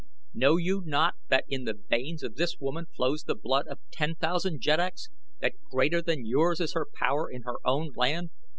"Know you not that in the veins of this woman flows the blood of ten thousand jeddaks that greater than yours is her power in her own land?